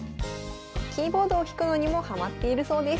キーボードを弾くのにもハマっているそうです。